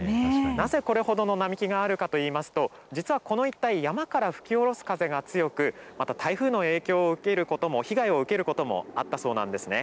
なぜこれほどの並木があるかといいますと、実はこの一帯、山から吹き降ろす風が強く、また台風の影響を受けることも、被害を受けることもあったそうなんですね。